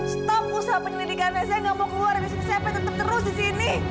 setahun usaha penyelidikannya saya gak mau keluar dari sini saya pengen tetap terus di sini